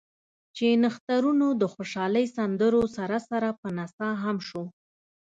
چې نښترونو د خوشالۍ سندرو سره سره پۀ نڅا هم شو ـ